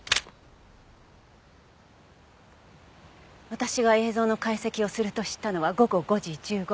私が映像の解析をすると知ったのは午後５時１５分。